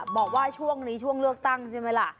บอกว่าช่วงนี้ช่วงเลือกตั้งใช่ไหมล่ะ